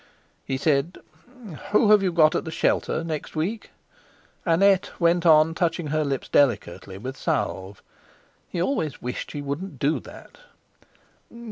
He said: "Whom have you got at 'The Shelter' next week?" Annette went on touching her lips delicately with salve—he always wished she wouldn't do that.